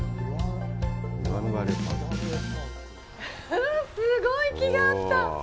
うわぁ、すごい木があった！